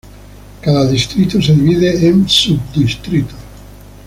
Cada distrito se divide en sub-distritos.